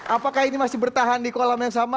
apakah ini masih bertahan di kolam yang sama